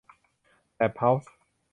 แล็บเฮ้าส์